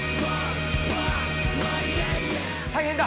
大変だ。